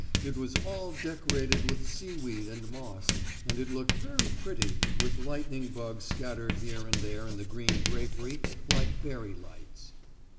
It was all decorated with seaweed and moss, and it looked very pretty with lightning bugs scattered here and there in the green drapery like fairy lights.